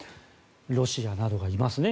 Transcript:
ロシアなどがいますね。